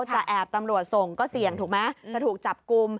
จะแอบตำรวจส่งก็เสี่ยงถูกไหมจะถูกจับกลุ่ม